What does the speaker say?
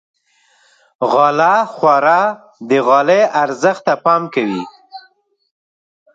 غاله خواره د غالۍ ارزښت ته پام کوي.